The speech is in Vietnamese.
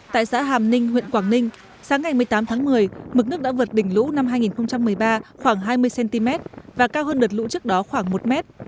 tại xã hàm ninh huyện quảng ninh sáng ngày một mươi tám tháng một mươi mực nước đã vượt đỉnh lũ năm hai nghìn một mươi ba khoảng hai mươi cm và cao hơn đợt lũ trước đó khoảng một m